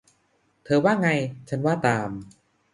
เธอว่ายังไง ฉันว่าตาม